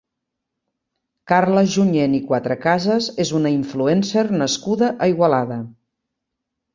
Carla Junyent i Cuatrecases és una influencer nascuda a Igualada.